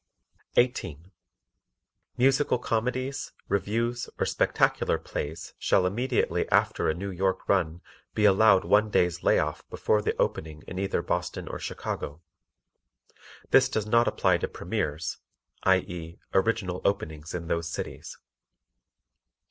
18. Musical comedies, revues or spectacular plays shall immediately after a New York run be allowed one day's lay off before the opening in either Boston or Chicago. This does not apply to premieres, i.e., original openings in those cities.